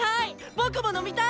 僕も飲みたい！